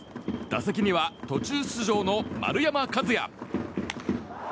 打席には途中出場の丸山和郁。